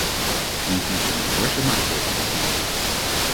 Hiertoe zijn diverse maatregelen genomen.